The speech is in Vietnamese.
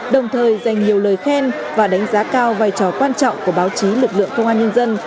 đồng thời dành nhiều lời khen và đánh giá cao vai trò quan trọng của báo chí lực lượng công an nhân dân